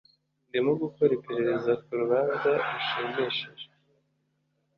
Ndimo gukora iperereza ku rubanza rushimishije. (